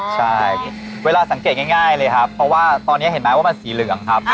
ใช่เวลาสังเกตง่ายเลยครับเพราะว่าตอนนี้เห็นไหมว่ามันสีเหลืองครับ